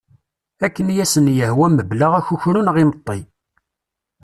Akken i asen-yehwa mebla akukru neɣ imeṭi.